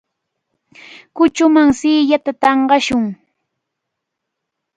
Kuchuman siillata tanqashun.